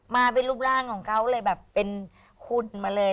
มาเป็นรูปร่างของเขาเลยแบบเป็นคุณมาเลย